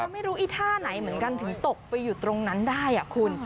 ไม่รู้ไอ้ท่าไหนเหมือนกันถึงตกไปอยู่ตรงนั้นได้คุณ